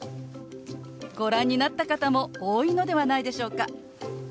ご覧になった方も多いのではないでしょうか。